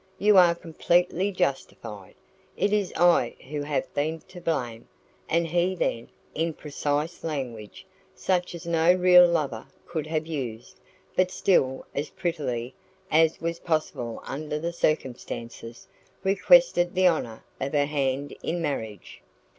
You are completely justified. It is I who have been to blame." And he then, in precise language, such as no real lover could have used, but still as prettily as was possible under the circumstances, requested the honour of her hand in marriage.